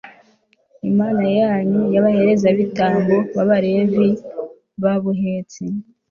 imana yanyu, n'abaherezabitambo b'abalevi babuhetse